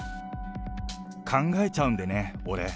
考えちゃうんでね、俺。